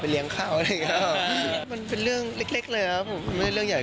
ไปเรียงข้าวแบบนี้นะครับ